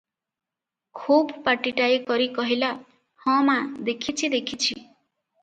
ଖୁବ୍ ପାଟିଟାଏ କରି କହିଲା,"ହଁ ମା, ଦେଖିଛି, ଦେଖିଛି ।"